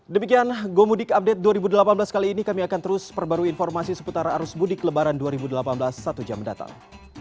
demikian gomudik update dua ribu delapan belas kali ini kami akan terus perbarui informasi seputar arus mudik lebaran dua ribu delapan belas satu jam mendatang